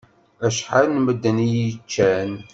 Acḥal n medden i yi-iččan.